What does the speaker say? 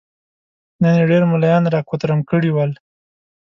نن يې ډېر ملايان را کوترم کړي ول.